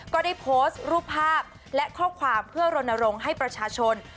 ก็ได้โพสต์รูปภาพและข้อความเพื่อรณรงค์ให้ประชาชน